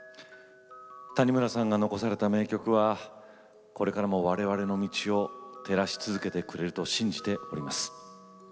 谷村さんが残された名曲はこれからも我々の道を照らし続けてくれると信じております。